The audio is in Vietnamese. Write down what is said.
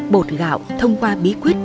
bột gạo thông qua bí quyết